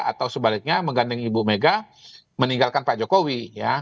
atau sebaliknya menggandeng ibu mega meninggalkan pak jokowi ya